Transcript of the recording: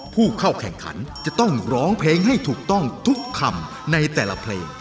ผู้เข้าแข่งขันจะต้องร้องเพลงให้ถูกต้องทุกคำในแต่ละเพลง